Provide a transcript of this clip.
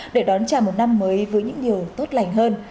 để đón chào một năm mới với những điều tốt lành hơn